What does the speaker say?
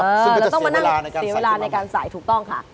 ซึ่งก็จะเสียเวลาในการใส่ขึ้นมั้ยหรออ๋อเราต้องมานั่งเสียเวลาในการใส่ถูกต้องค่ะ